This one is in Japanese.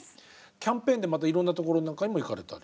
キャンペーンでまたいろんなところへも行かれたり？